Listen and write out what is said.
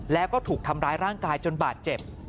แล้วก็ถูกทำร้ายร่างกายจนบาดเจ็บ